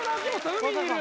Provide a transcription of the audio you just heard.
海にいる！